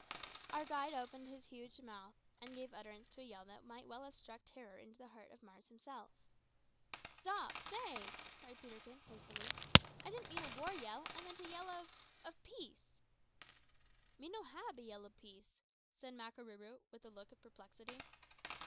Our guide opened his huge mouth, and gave utterance to a yell that might well have struck terror into the heart of Mars himself. "Stop! stay!" cried Peterkin hastily. "I didn't mean a war yell; I meant a yell of of peace." "Me no hab a yell ob peace," said Makarooroo, with a look of perplexity.